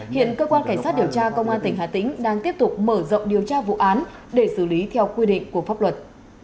hiện cơ quan cảnh sát điều tra công an tỉnh hà tĩnh đang tiếp tục mở rộng điều tra vụ án để xử lý theo quy định của pháp luật